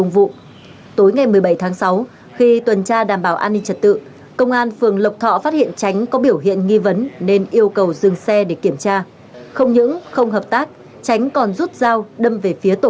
vừa bị công an tp nha trang bắt giữ